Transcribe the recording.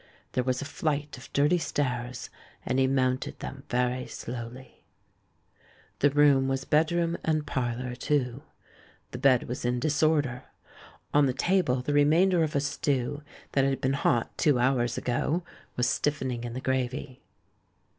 There was a flight of dirty stairs, and he mounted them very slowly. THE BACK OF BOHEMIA 309 The room was bedroom and parlour, too. The bed was in disorder; on the table the remainder of a stew that had been hot two hours ago was stiffening in the gravy.